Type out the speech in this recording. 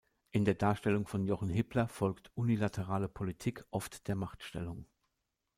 In der Darstellung von Jochen Hippler folgt unilaterale Politik oft der Machtstellung.